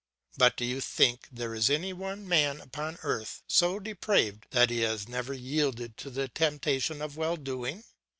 But do you think there is any one man upon earth so depraved that he has never yielded to the temptation of well doing?